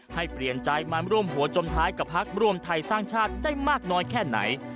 ให้เปลี่ยนใจมาร่วมหัวจมท้ายกับพักรวมไทยสร้างชาติได้มากน้อยแค่ไหน